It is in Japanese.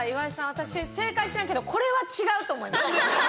私、正解してないけどこれは違うと思います！